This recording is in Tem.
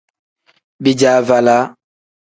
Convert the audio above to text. Bijaavalaa.